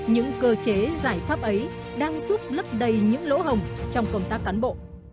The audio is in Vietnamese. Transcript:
những cơ chế giải pháp ấy đang giúp lấp đầy những lỗ hồng trong công tác cán bộ